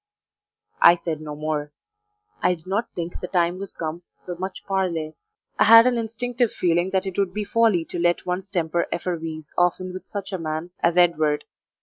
I said no more. I did not think the time was come for much parley. I had an instinctive feeling that it would be folly to let one's temper effervesce often with such a man as Edward.